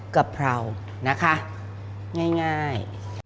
กับเรานะคะง่าย